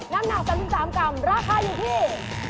น้ำหนัก๓๓กรัมราคาอยู่ที่